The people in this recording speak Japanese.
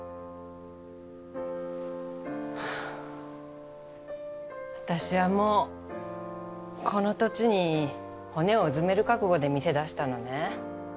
はぁ私はもうこの土地に骨をうずめる覚悟で店出したのね。